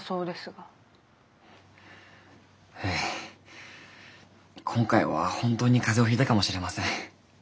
はい今回は本当に風邪をひいたかもしれません。